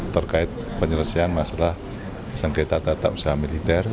terkait penyelesaian masalah sengketa tata usaha militer